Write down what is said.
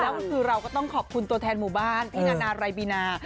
แล้วคือเราก็ต้องขอบคุณตัวแทนหมู่บ้านพี่นานาไรบีนา